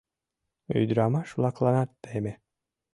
Ӱдырамаш-влакланат теме.